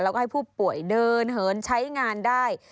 แล้วก็ให้ผู้ป่วยเดินเหินใช้งานได้